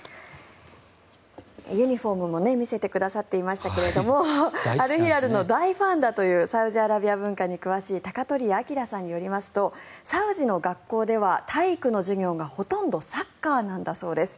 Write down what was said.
ユニホームも見せてくださっていましたがアルヒラルの大ファンだというサウジアラビア文化に詳しい鷹鳥屋明さんによりますとサウジの学校では体育の授業がほとんどサッカーなんだそうです。